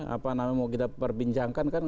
apa namanya mau kita perbincangkan kan